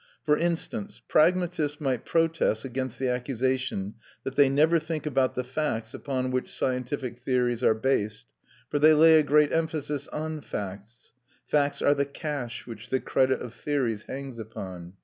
For instance, pragmatists might protest against the accusation that "they never think about the facts upon which scientific theories are based," for they lay a great emphasis on facts. Facts are the cash which the credit of theories hangs upon.